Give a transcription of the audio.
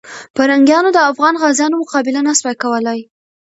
پرنګیانو د افغان غازیانو مقابله نه سوه کولای.